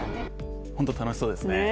本当、楽しそうですね。